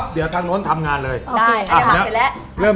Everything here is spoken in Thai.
เดี๋ยวทางโน้นทำงานเลย